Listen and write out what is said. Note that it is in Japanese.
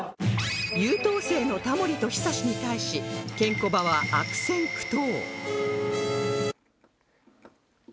優等生のタモリと ＨＩＳＡＳＨＩ に対しケンコバは悪戦苦闘